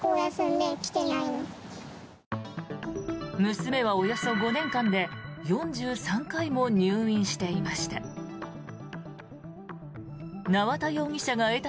娘はおよそ５年間で４３回も入院していました。